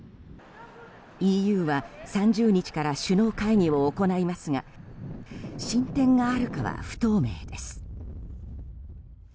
ＥＵは３０日から首脳会議を行いますが進展があるかは不透明です。